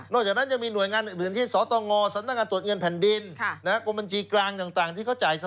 นอกจากนั้นจะมีหน่วยงานหรืออย่างที่